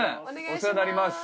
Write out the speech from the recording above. お世話になります。